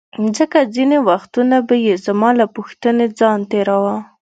ځکه ځیني وختونه به یې زما له پوښتنې ځان تیراوه.